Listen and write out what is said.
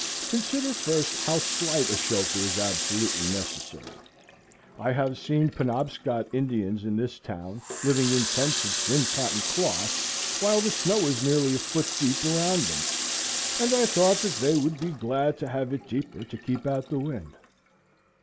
Consider first how slight a shelter is absolutely necessary. I have seen Penobscot Indians, in this town, living in tents of thin cotton cloth, while the snow was nearly a foot deep around them, and I thought that they would be glad to have it deeper to keep out the wind.